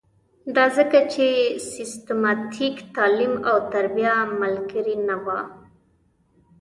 دا ځکه چې سیستماتیک تعلیم او تربیه ملګرې نه وه.